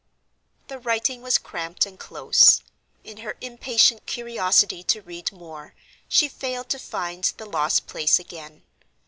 The writing was cramped and close. In her impatient curiosity to read more, she failed to find the lost place again.